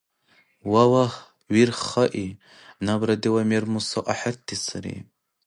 Валлагь, вирхаи, набра дила мер-муса ахӀерти сари.